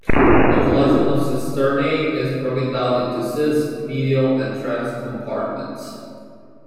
This collection of cisternae is broken down into "cis", medial, and "trans" compartments.